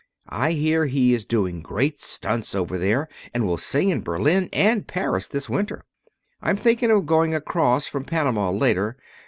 I hear he is doing great stunts over there, and will sing in Berlin and Paris this winter. I'm thinking of going across from Panama later.